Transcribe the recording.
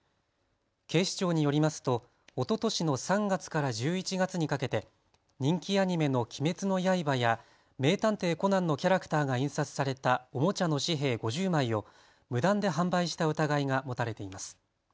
警視庁によりますとおととしの３月から１１月にかけて人気アニメの鬼滅の刃や名探偵コナンのキャラクターが印刷されたおもちゃの紙幣５０枚を無断で販売した疑いが持たれています。